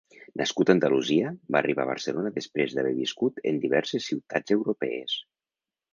Nascut a Andalusia, va arribar a Barcelona després d'haver viscut en diverses ciutats europees.